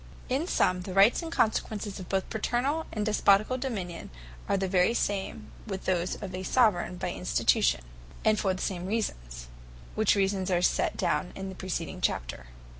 In summe the Rights and Consequences of both Paternall and Despoticall Dominion, are the very same with those of a Soveraign by Institution; and for the same reasons: which reasons are set down in the precedent chapter.